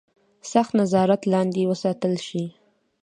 سخت نظارت لاندې وساتل شي.